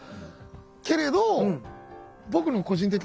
けれど僕の個人的な。